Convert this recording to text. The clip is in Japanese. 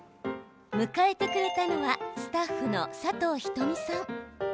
迎えてくれたのはスタッフの佐藤瞳さん。